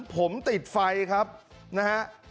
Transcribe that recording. ผมติดไฟครับนะฮะ